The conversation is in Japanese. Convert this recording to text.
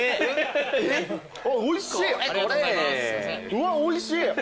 うわっおいしい。